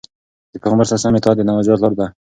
د پيغمبر ﷺ اطاعت د نجات لار ده.